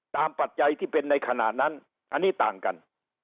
ปัจจัยที่เป็นในขณะนั้นอันนี้ต่างกัน